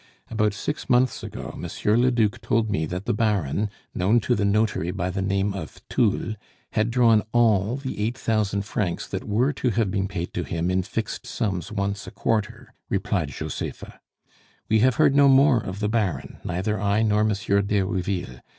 "About six months ago, Monsieur le Duc told me that the Baron, known to the notary by the name of Thoul, had drawn all the eight thousand francs that were to have been paid to him in fixed sums once a quarter," replied Josepha. "We have heard no more of the Baron, neither I nor Monsieur d'Herouville.